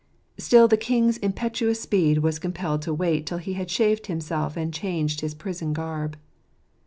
Still the king's impetuous speed was compelled to wait till he had shaved himself and changed his prison garb.